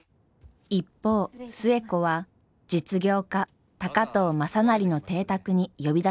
一方寿恵子は実業家高藤雅修の邸宅に呼び出されていました。